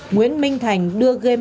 nguyễn minh thành đưa game